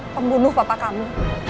pembunuh papa kamu